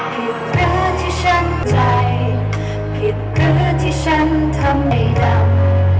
ผิดหรือที่ฉันใจผิดหรือที่ฉันทำให้ดำ